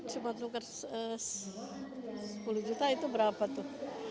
cuma tukar sepuluh juta itu berapa tuh